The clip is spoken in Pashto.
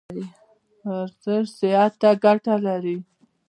ورزش صحت ته ګټه لري